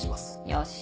よし。